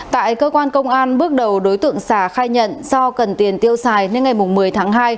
tại cơ quan công an bước đầu đối tượng sà khai nhận do cần tiền tiêu xài nên ngày một mươi tháng hai